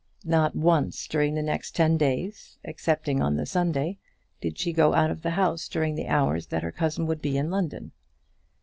Not once during the next ten days, excepting on the Sunday, did she go out of the house during the hours that her cousin would be in London.